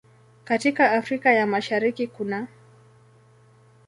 Katika Afrika ya Mashariki kunaː